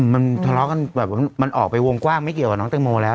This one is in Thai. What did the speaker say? มันทะเลาะกันแบบมันออกไปวงกว้างไม่เกี่ยวกับน้องแตงโมแล้ว